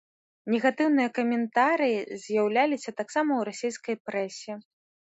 Негатыўныя каментарыі з'яўляліся таксама ў расійскай прэсе.